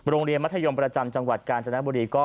โรงเรียนมัธยมประจำจังหวัดกาลจนบุรี